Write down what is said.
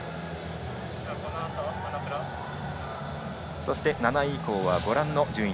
そして、７位以降はご覧の順位。